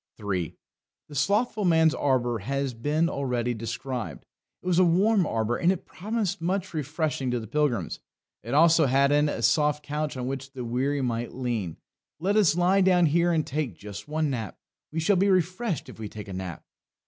3. The Slothful Man's Arbour has been already described. It was a warm arbour, and it promised much refreshing to the pilgrims. It also had in it a soft couch on which the weary might lean. "Let us lie down here and take just one nap; we shall be refreshed if we take a nap!"